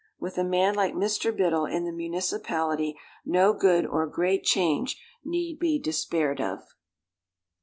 With a man like Mr. Biddle in the municipality, no good or great change need be despaired of.